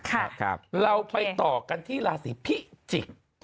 ครับครับเราไปต่อกันที่ลาสีพิจิก